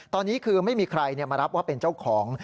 ตอนนี้คือไม่มีใครมารับว่าเป็นเจ้าของ